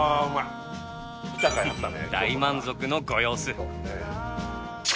大満足のご様子。